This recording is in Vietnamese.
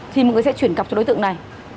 thì mọi người sẽ chuyển cọc cho đối tượng này